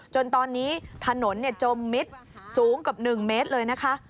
จนตอนนี้ถนนจมมิตรสูงเกือบ๑เมตรเลยนะคะ